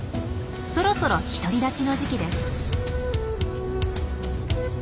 そろそろ独り立ちの時期です。